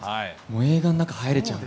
映画の中、入れちゃうの？